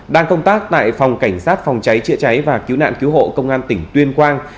đang công tác tại phòng cảnh sát phòng cháy chữa cháy và cứu nạn cứu hộ công an tỉnh tuyên quang